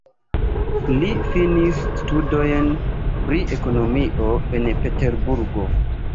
Li finis studojn pri ekonomio en Peterburgo.